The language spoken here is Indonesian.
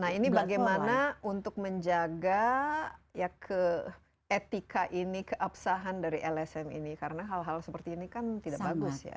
nah ini bagaimana untuk menjaga ya ke etika ini keabsahan dari lsm ini karena hal hal seperti ini kan tidak bagus ya